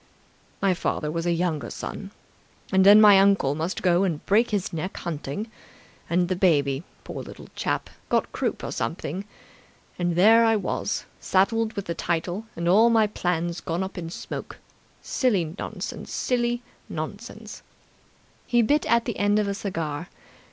"My father was a younger son. And then my uncle must go and break his neck hunting, and the baby, poor little chap, got croup or something ... And there I was, saddled with the title, and all my plans gone up in smoke ... Silly nonsense! Silly nonsense!" He bit the end of a cigar.